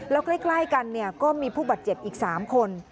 แล้วใกล้กันก็มีผู้บาดเจ็บอีก๓คน